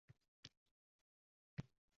Men qo'llab quvvatlayman.